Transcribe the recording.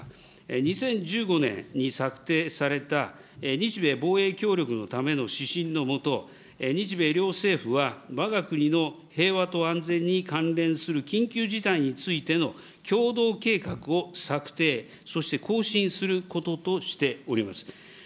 ２０１５年に策定された日米防衛協力のための指針の下、日米両政府はわが国の平和と安定に関係する緊急事態についての共同計画を策定、そして更新することとしております。